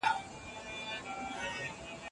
په ماشومو یتیمانو به واسکټ نه سي منلای